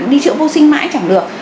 đi triệu vô sinh mãi chẳng được